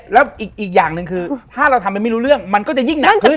แล้วอีกอย่างหนึ่งคือถ้าเราทำไปไม่รู้เรื่องมันก็จะยิ่งหนักขึ้น